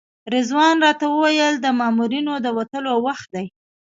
رضوان راته وویل د مامورینو د وتلو وخت دی.